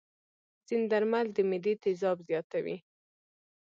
ځینې درمل د معدې تیزاب زیاتوي.